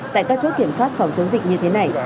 tại các chốt kiểm soát phòng chống dịch như thế này